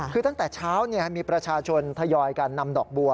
คือตั้งแต่เช้ามีประชาชนทยอยการนำดอกบัว